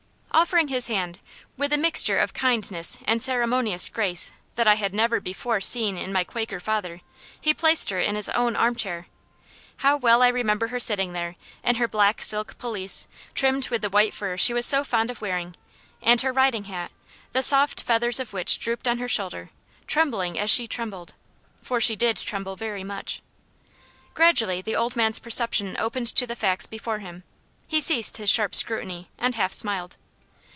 Offering his hand, with a mixture of kindness and ceremonious grace that I had never before seen in my Quaker father, he placed her in his own arm chair. How well I remember her sitting there, in her black silk pelisse, trimmed with the white fur she was so fond of wearing, and her riding hat, the soft feathers of which drooped on her shoulder, trembling as she trembled. For she did tremble very much. Gradually the old man's perception opened to the facts before him. He ceased his sharp scrutiny, and half smiled.